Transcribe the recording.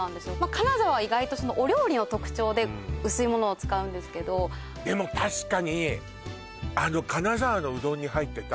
金沢は意外とお料理の特徴で薄いものを使うんですけどでも確かに金沢のうどんに入ってた